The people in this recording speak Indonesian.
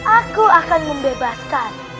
aku akan membebaskan